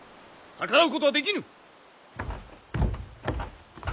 逆らうことはできぬ！